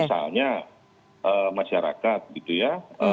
misalnya masyarakat gitu ya